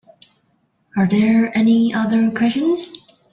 Are there any other questions?